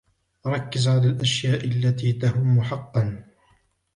ركز على الأشياء التي تهم حقا.